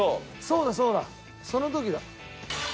そうだそうだその時だ。